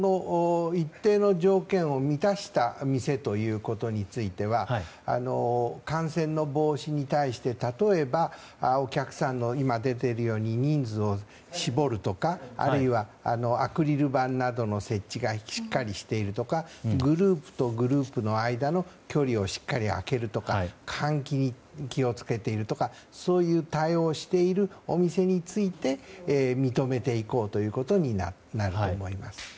一定の条件を満たした店ということについては感染の防止に対して例えば、お客さんの人数を絞るとかあるいはアクリル板などの設置がしっかりしているとかグループとグループの間の距離をしっかり空けるとか換気に気をつけているとかそういう対応をしているお店について、認めていこうということになると思います。